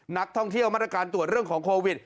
นักท่องเที่ยวมาตรการตรวจเรื่องของโควิด